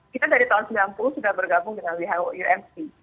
kita dari tahun seribu sembilan ratus sembilan puluh sudah bergabung dengan who umc